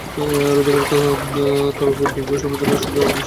রোদে পোড়া ত্বকদীর্ঘ সময় ধরে সূর্যের আলোর নিচে থাকলে রোদে ত্বক পুড়ে যায়।